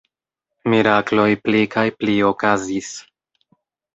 Mirakloj pli kaj pli okazis.